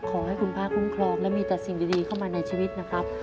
ขอให้คุณพระคุ้มครองและมีแต่สิ่งดีเข้ามาในชีวิตนะครับ